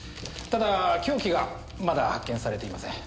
ただ凶器がまだ発見されていません。